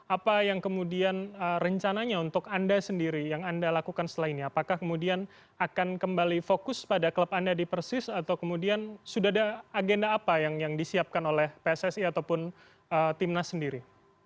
apa yang kemudian rencananya untuk anda sendiri yang anda lakukan setelah ini apakah kemudian akan kembali fokus pada klub anda di persis atau kemudian sudah ada agenda apa yang disiapkan oleh pssi ataupun timnas sendiri